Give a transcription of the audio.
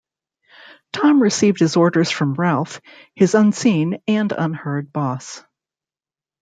Tom received his orders from Ralph, his unseen and unheard boss.